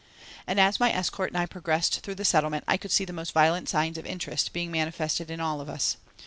And as my escort and I progressed through the Settlement I could see the most violent signs of interest being manifested in all of us.